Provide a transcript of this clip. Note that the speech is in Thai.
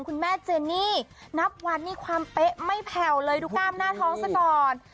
คุณแม่เจนี่นับวันนี้ความเป๊ะไม่แผ่วเลยดูกล้ามหน้าท้องซะก่อน